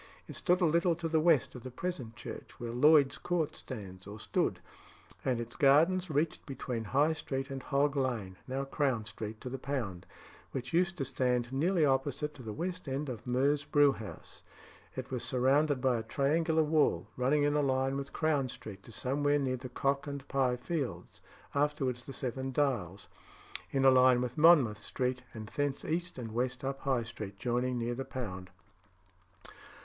It stood a little to the west of the present church, where Lloyd's Court stands or stood; and its gardens reached between High Street and Hog Lane, now Crown Street, to the Pound, which used to stand nearly opposite to the west end of Meux's Brewhouse. It was surrounded by a triangular wall, running in a line with Crown Street to somewhere near the Cock and Pye Fields (afterwards the Seven Dials), in a line with Monmouth Street, and thence east and west up High Street, joining near the Pound.